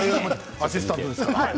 アシスタントですから。